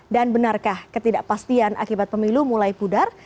dan benarkah ketidakpastian akibat pemilu mulai pudar